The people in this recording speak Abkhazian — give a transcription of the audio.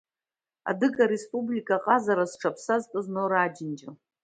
Адыга республика аҟазара зҽаԥсазтәыз Нора Аџьынџьал.